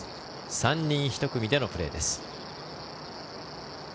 ３人１組でのプレーです。